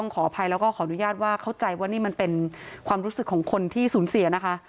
ขออภัยแล้วก็ขออนุญาตว่าเข้าใจว่านี่มันเป็นความรู้สึกของคนที่สูญเสียนะคะ